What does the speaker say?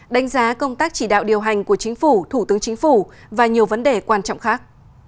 đánh giá công tác chỉ đạo điều hành của chính phủ thủ tướng chính phủ và nhiều vấn đề quan trọng khác